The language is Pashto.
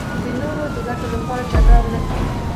د نورو د ګټو لپاره جګړه ونکړي.